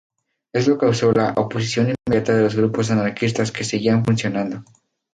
Esto causó la oposición inmediata de los grupos anarquistas que seguían funcionando.